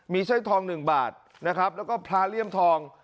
สร้อยทอง๑บาทนะครับแล้วก็พระเลี่ยมทอง